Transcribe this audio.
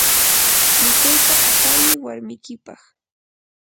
mikuyta apayi warmikipaq.